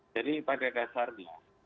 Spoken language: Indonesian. jadi pada dasarnya